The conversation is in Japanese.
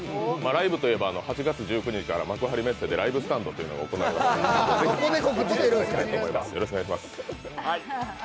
ライブといえば８月１９日から幕張メッセでライブスタンドというのが行われますのでぜひよろしくお願いします。